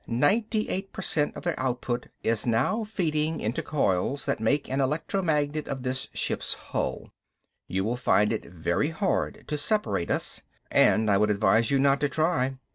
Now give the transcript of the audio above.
"Ninety eight per cent of their output is now feeding into coils that make an electromagnet of this ship's hull. You will find it very hard to separate us. And I would advise you not to try."